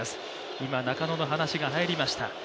今、中野の話が入りました。